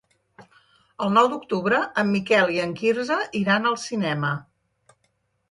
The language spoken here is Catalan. El nou d'octubre en Miquel i en Quirze iran al cinema.